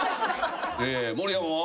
盛山は？